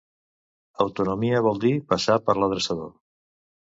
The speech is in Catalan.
Autonomia vol dir passar per l'adreçador